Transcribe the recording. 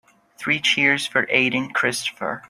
Three cheers for Aden Christopher.